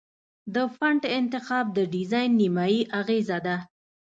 د فونټ انتخاب د ډیزاین نیمایي اغېزه ده.